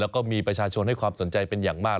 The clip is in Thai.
แล้วก็มีประชาชนให้ความสนใจเป็นอย่างมาก